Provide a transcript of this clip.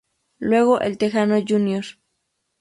Luego El Texano Jr.